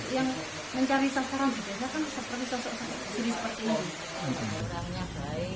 kalau yang mencari sasaran di desa kan seperti sosok sri seperti ini